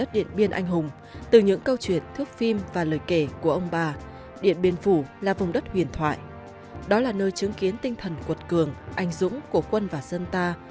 điện biên phủ là vùng đất huyền thoại đó là nơi chứng kiến tinh thần cuột cường ảnh dũng của quân và dân ta